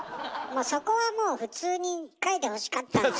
そこはもう普通に書いてほしかったのに。